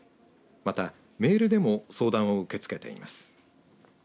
また、メールでも相談を受け付けています。